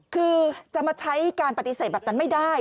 คือจะมาใช้การปฏิเสธแบบนั้นไม่ได้